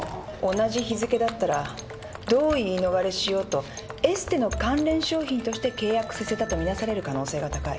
同じ日付だったらどう言い逃れしようとエステの関連商品として契約させたと見なされる可能性が高い。